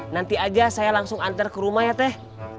nanti aja saya langsung antar ke rumah ya teh